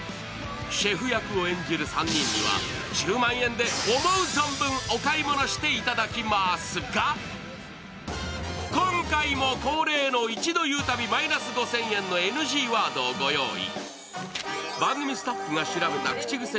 シェフ役を演じる３人には１０万円で思う存分お買い物していただきますが、今回も恒例の一度言うたびマイナス５０００円のＮＧワードをご用意。